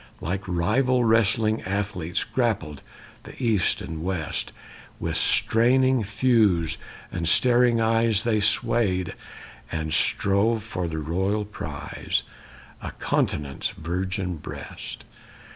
Like rival wrestling athletes Grappled the East and West. With straining thews and staring eyes They swayed and strove for the royal prize, A continent's virgin breast.